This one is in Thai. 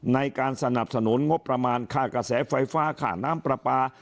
ในการสนับสนุนงบประมาณค่ากระแสไฟฟ้าค่าน้ำปลาปลา